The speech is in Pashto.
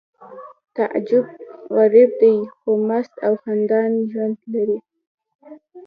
تعجب غریب دی خو مست او خندان ژوند لري